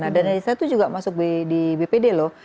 nah dana desa itu juga masuk di bpd loh